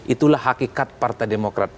itulah hakikat partai demokrat